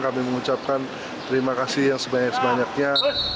kami mengucapkan terima kasih yang sebanyak sebanyaknya